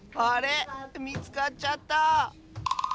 みつかっちゃった！